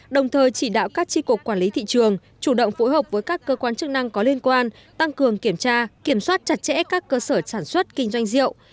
đồng thời chỉ đạo các tri cục quản lý thị trường chủ động phối hợp với các cơ quan chức năng có liên quan tăng cường kiểm tra kiểm soát chặt chẽ các cơ sở sản xuất kinh doanh rượu